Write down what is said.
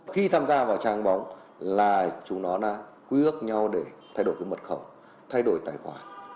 khi tham gia vào trang bóng là chúng nó đã quy ước nhau để thay đổi cái mật khẩu thay đổi tài khoản